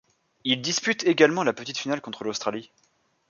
Il dispute également la petite finale contre l'Australie.